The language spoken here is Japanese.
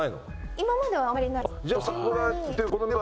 今まではあんまりないです。